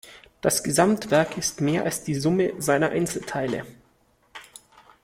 Das Gesamtwerk ist mehr als die Summe seiner Einzelteile.